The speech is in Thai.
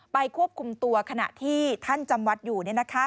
ควบคุมตัวขณะที่ท่านจำวัดอยู่